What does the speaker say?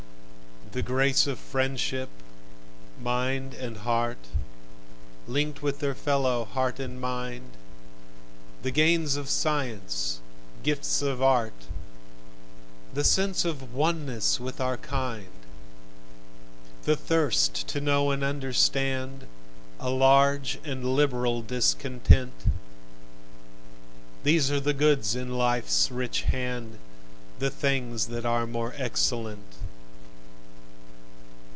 The grace of friendship mind and heart Linked with their fellow heart and mind; The gains of science, gifts of art; The sense of oneness with our kind; The thirst to know and understand A large and liberal discontent: These are the goods in life's rich hand, The things that are more excellent.